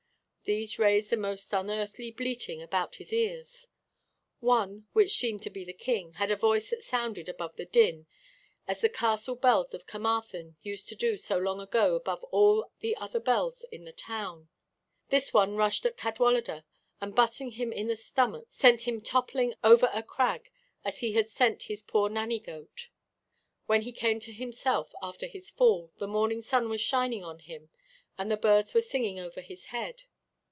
These raised a most unearthly bleating about his ears. One, which seemed to be the king, had a voice that sounded above the din as the castle bells of Carmarthen used to do long ago above all the other bells in the town. This one rushed at Cadwaladr and butting him in the stomach sent him toppling over a crag as he had sent his poor nannygoat. When he came to himself, after his fall, the morning sun was shining on him and the birds were singing over his head.